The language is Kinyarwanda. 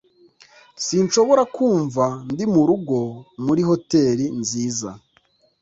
Sinshobora kumva ndi murugo muri hoteri nziza